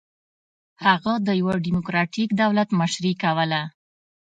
هغه د یوه ډیموکراټیک دولت مشري کوله.